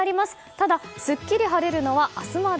ただすっきり晴れるのは明日まで。